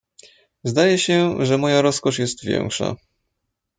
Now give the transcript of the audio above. "Zdaje się, że moja rozkosz jest większa."